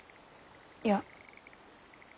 いや。